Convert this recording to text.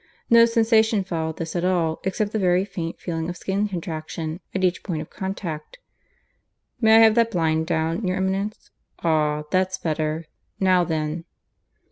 No sensation followed this at all, except the very faint feeling of skin contraction at each point of contact. "May I have that blind down, your Eminence? ... Ah! that's better. Now then."